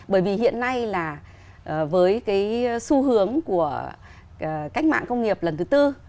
bởi vì hiện nay là với cái xu hướng của cách mạng công nghiệp lần thứ tư